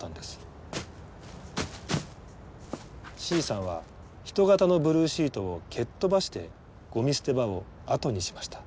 Ｃさんは人形のブルーシートを蹴っ飛ばしてゴミ捨て場を後にしました。